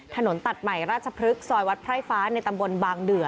ถนนตัดใหม่ราชพฤกษ์ซอยวัดไพร่ฟ้าในตำบลบางเดือ